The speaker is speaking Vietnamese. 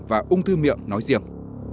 và ông thư miệng nói riêng